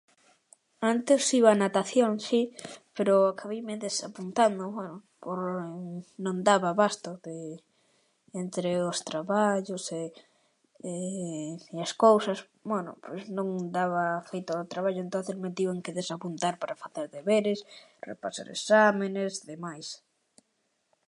Antes iba a natación si, pero acabeime desapuntando, bueno, por non daba a basto de entre os traballos e e as cousas, bueno, pois non daba feito o traballo, entonces me tiven que desapuntar para facer deberes, repasar exámenes demais.